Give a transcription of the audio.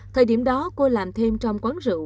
thời điểm đó cô làm thêm trong quán rượu